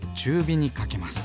火にかけます。